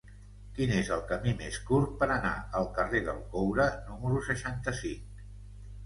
Quin és el camí més curt per anar al carrer del Coure número seixanta-cinc?